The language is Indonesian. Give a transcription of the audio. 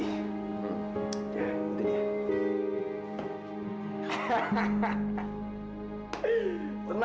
ya tentu dia